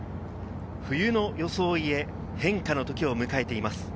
冬の装いへ、変化のときを迎えています。